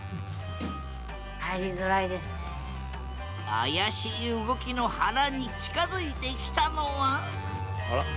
怪しい動きのはらに近づいてきたのはあら？